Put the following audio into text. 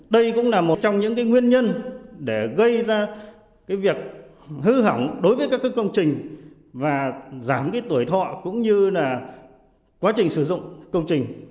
đây cũng là một trong những nguyên nhân để gây ra việc hư hỏng đối với các công trình và giảm tuổi thọ cũng như quá trình sử dụng